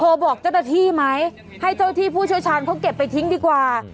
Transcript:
โทรบอกจรภาพธิบหรือไหมหลังไม่ได้เจอที่ผู้เชี่ยวชาญเขาเก็บไปทิ้งดีกว่า